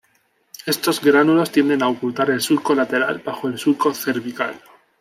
Estos gránulos tienden a ocultar el surco lateral bajo el surco cervical.